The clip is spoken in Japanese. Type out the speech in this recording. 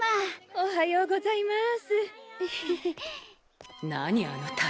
おはようございます。